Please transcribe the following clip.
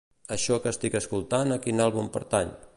Això que estic escoltant a quin àlbum pertany?